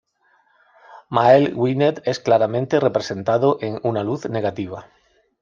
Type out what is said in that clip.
Maelgwn Gwynedd es claramente representado en una luz negativa.